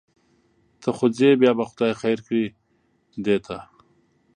ته خو ځې بیا به خدای خیر کړي دې ته.